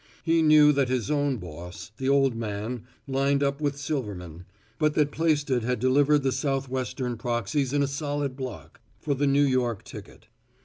He knew that his own boss, the old man, lined up with Silverman, but that Plaisted had delivered the south western proxies in a solid block, for the New York ticket.